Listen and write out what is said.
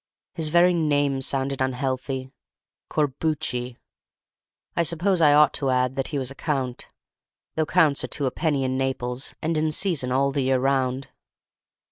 His very name sounded unhealthy—Corbucci. I suppose I ought to add that he was a Count, though Counts are two a penny in Naples, and in season all the year round.